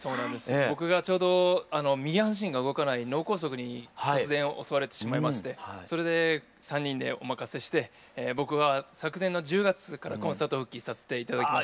僕がちょうど右半身が動かない脳梗塞に突然襲われてしまいましてそれで３人でお任せして僕は昨年の１０月からコンサート復帰させて頂きました。